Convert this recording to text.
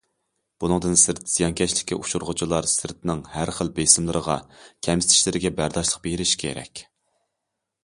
بۇنىڭدىن سىرت زىيانكەشلىككە ئۇچرىغۇچىلار سىرتنىڭ ھەر خىل بېسىملىرىغا، كەمسىتىشلىرىگە بەرداشلىق بېرىشى كېرەك.